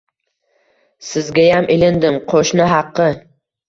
Sizgayam ilindim, qoʻshni haqi!